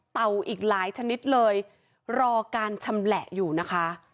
อีกหลายชนิดเลยรอการชำแหละอยู่นะคะ